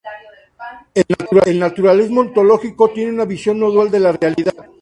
El naturalismo ontológico tiene una visión no dual de la realidad.